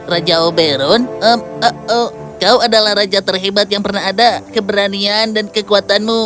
raja oberon kau adalah raja terhebat yang pernah ada keberanian dan kekuatanmu